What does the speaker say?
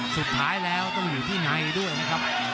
สุดท้ายแล้วต้องอยู่ที่ในด้วยนะครับ